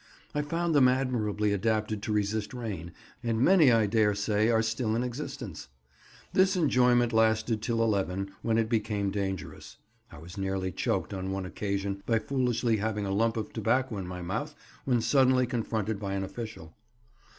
I found them admirably adapted to resist rain, and many I daresay are still in existence. This enjoyment lasted till 11, when it became dangerous. (I was nearly choked on one occasion by foolishly having a lump of tobacco in my mouth when suddenly confronted by an official.)